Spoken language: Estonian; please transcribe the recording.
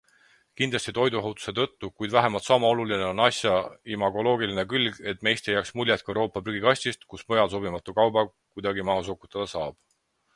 Kindlasti toiduohutuse tõttu, kuid vähemalt sama oluline on asja imagoloogiline külg, et meist ei jääks muljet kui Euroopa prügikastist, kus mujal sobimatu kauba kuidagi maha sokutada saab.